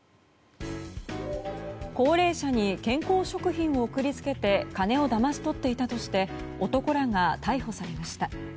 高齢者に健康食品を送り付けて金をだまし取っていたとして男らが逮捕されました。